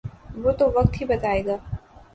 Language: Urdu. وہ تو وقت ہی بتائے گا۔